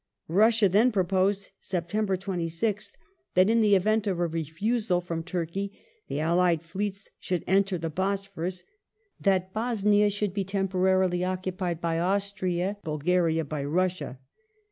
^ Russia then proposed (Sept. 26th) that, in the event of a refusal from Turkey, the allied fleets should enter the Bosphorus, that Bosnia should be temporarily occupied by Austria, and Bulgaria by Russia.